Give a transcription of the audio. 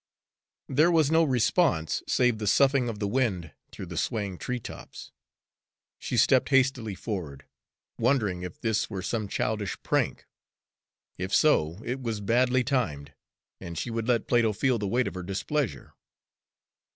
There was no response, save the soughing of the wind through the swaying treetops. She stepped hastily forward, wondering if this were some childish prank. If so, it was badly timed, and she would let Plato feel the weight of her displeasure.